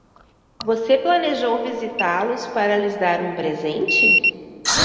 Você planejou visitá-los para lhes dar um presente?